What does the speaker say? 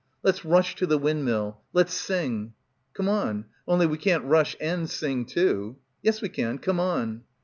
"Let's rush to the windmill. Let's sing." "Come on; only we can't rush and sing too." "Yes we can, come on."